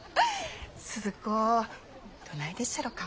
スズ子どないでっしゃろか？